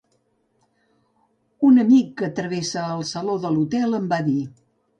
Un amic que travessava el saló de l'hotel em va dir